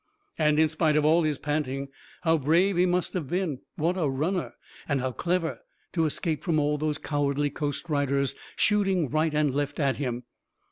And in spite of all his panting, how brave he must have been, what a runner, and how clever, to escape from all those cowardly coast riders shooting right and left at him!